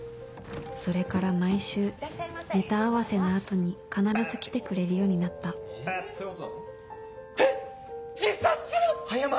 それから毎週ネタ合わせの後に必ず来てくれるようになったえっ自殺⁉早まるな。